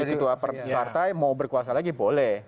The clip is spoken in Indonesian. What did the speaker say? jadi ketua partai mau berkuasa lagi boleh